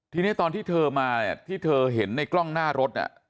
ทีนี้ตอนที่เธอมาเนี่ยที่เธอเห็นในกล้องหน้ารถ